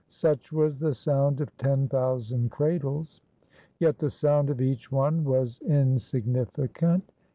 Such was the sound of ten thousand cradles; yet the sound of each one was insignificant.